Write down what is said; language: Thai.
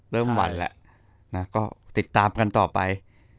หวั่นแล้วก็ติดตามกันต่อไป